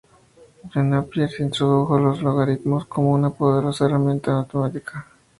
John Napier introdujo los logaritmos como una poderosa herramienta matemática.